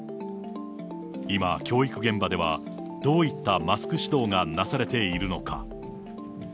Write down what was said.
今、教育現場では、どういったマスク指導がなされているのか。